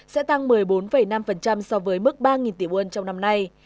sẽ tăng một mươi bốn năm so với mức ba tỷ won trong năm nay